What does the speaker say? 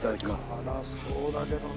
「辛そうだけどな」